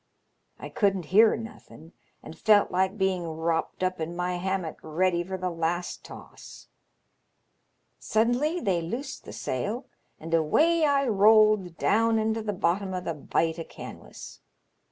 I couldn't hear nothen, and felt Uke being wropped np in my hammock ready for the last toss. Suddenly they loosed the sail, and away I rolled down into the bottom of th' bight o* canwas.